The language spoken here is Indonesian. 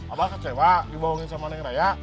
apa kecewa dibohongin sama neng raya